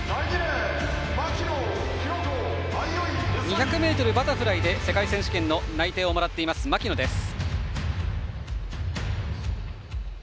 ２００ｍバタフライで世界選手権の内定もらっています牧野です。